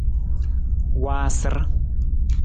Waasar.